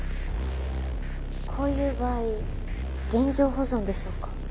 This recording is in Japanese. こういう場合現場保存でしょうか？